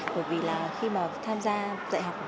bởi vì là khi mà tham gia dạy học